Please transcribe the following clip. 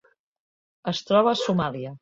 Es troba a Somàlia.